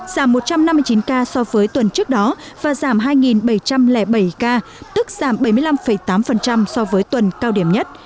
giảm một trăm năm mươi chín ca so với tuần trước đó và giảm hai bảy trăm linh bảy ca tức giảm bảy mươi năm tám so với tuần cao điểm nhất